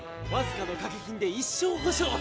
わずかのかけ金で一生保障。